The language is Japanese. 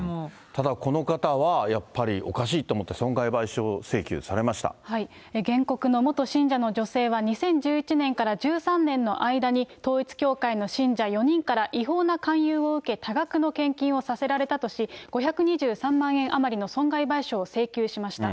ただ、この方はやっぱりおかしいと思って、損害賠償請求され原告の元信者の女性は、２０１１年から１３年の間に、統一教会の信者４人から違法な勧誘を受け、多額の献金をさせられたとし、５２３万円余りの損害賠償を請求しました。